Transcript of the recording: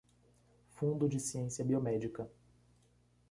Fundo de ciência biomédica